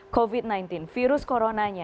covid sembilan belas virus coronanya